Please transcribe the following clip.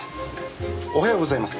おはようございます。